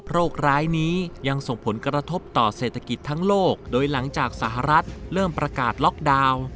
ร้ายนี้ยังส่งผลกระทบต่อเศรษฐกิจทั้งโลกโดยหลังจากสหรัฐเริ่มประกาศล็อกดาวน์